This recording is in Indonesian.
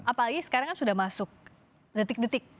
apalagi sekarang kan sudah masuk detik detik